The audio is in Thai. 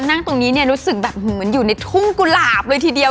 นั่งตรงนี้เนี่ยรู้สึกแบบเหมือนอยู่ในทุ่งกุหลาบเลยทีเดียว